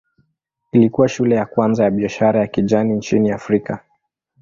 Ilikuwa shule ya kwanza ya biashara ya kijani nchini Afrika.